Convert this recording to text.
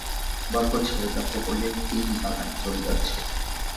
বরকত সাহেব লক্ষ করলেন, তিন্নি বাগানে চলে যাচ্ছে।